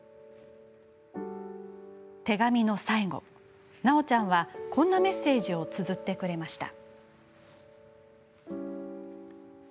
手紙の最後、なおちゃんはこんなメッセージをつづってくれました。